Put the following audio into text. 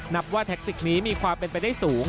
นับว่าแท็กติกนี้มีความเป็นไปได้สูง